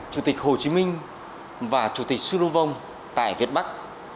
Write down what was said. hồ chí minh và chủ tịch su phan ngu vong tại việt bắc